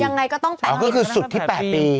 ยังไงก็ต้องแต่๘ปี